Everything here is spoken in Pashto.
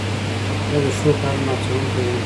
زه د ښو کارونو هڅوونکی یم.